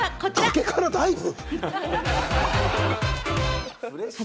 崖からダイブ？